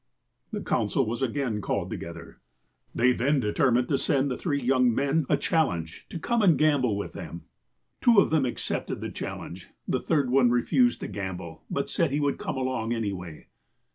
"The council was again called together. They then determined to send the three young men a challenge to 112 THE APOSTLE OF ALASKA come and gamble with them. Two of them accepted the challouge. The third one refused to gamble, but said he would come along anyway.